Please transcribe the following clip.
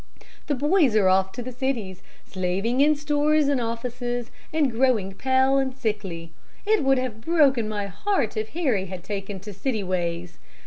The boys are off to the cities, slaving in stores and offices, and growing pale and sickly. It would have broken my heart if Harry had taken to city ways.